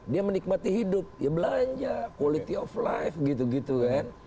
dia menikmati hidup ya belanja quality of life gitu gitu kan